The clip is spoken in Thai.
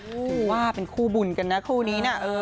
ถือว่าเป็นคู่บุญกันนะคู่นี้นะ